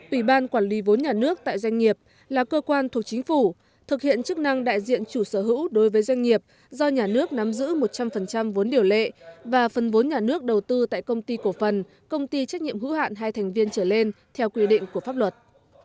ủy ban quản lý vốn nhà nước tại doanh nghiệp là cơ quan thuộc chính phủ thực hiện chức năng đại diện chủ sở hữu đối với doanh nghiệp do nhà nước nắm giữ một trăm linh vốn điều lệ và phần vốn nhà nước đầu tư tại công ty cổ phần công ty trách nhiệm hữu hạn hai thành viên trở lên theo quy định của pháp luật